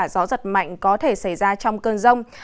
gió giật mạnh có thể xảy ra trong cơn rông